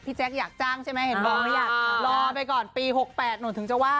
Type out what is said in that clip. แจ๊คอยากจ้างใช่ไหมเห็นบอกไม่อยากรอไปก่อนปี๖๘หนูถึงจะว่า